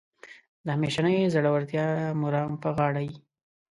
د همیشنۍ زړورتیا مرام په غاړه یې.